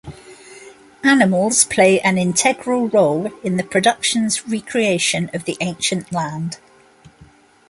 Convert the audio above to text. Animals play an integral role in the production's recreation of the ancient land.